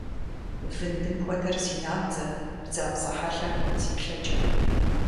Вындым хуэдэр зи набдзэ, бдзапцӏэ хьэлъэр зи плъэкӏэ.